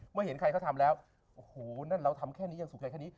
เมื่อเห็นใครเขาทำแล้วโอ้โหนั่นเราทำแค่นี้ยังสุขใจแค่นี้